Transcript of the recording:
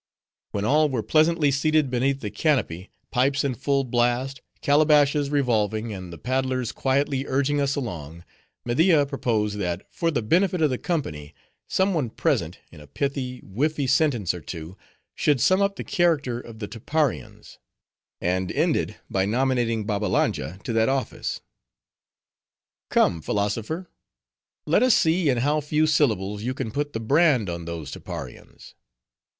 When all were pleasantly seated beneath the canopy, pipes in full blast, calabashes revolving, and the paddlers quietly urging us along, Media proposed that, for the benefit of the company, some one present, in a pithy, whiffy sentence or two, should sum up the character of the Tapparians; and ended by nominating Babbalanja to that office. "Come, philosopher: let us see in how few syllables you can put the brand on those Tapparians."